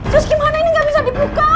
sus gimana ini gak bisa dibuka